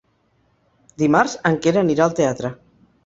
Dimarts en Quer anirà al teatre.